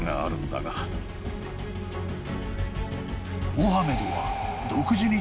［モハメドは］